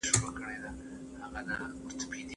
هېڅ موضوع نسي کولای سياستپوهنه په بشپړ ډول راونغاړي.